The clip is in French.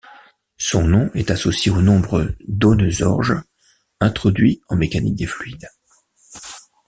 Son nom est associé au nombre d'Ohnesorge, introduit en mécanique des fluides.